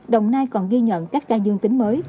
đồng nai còn ghi nhận các ca dương tính mới